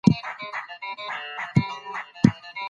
د پښتنو د سیمو ابادي د هېواد پرمختګ دی.